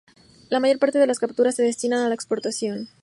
La mayor parte de las capturas se destinan a la exportación.